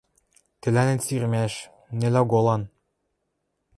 Тӹлӓнет сирмӓш, нӹл оголан